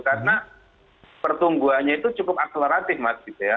karena pertungguannya itu cukup akseleratif mas gitu ya